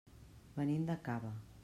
Venim de Cava.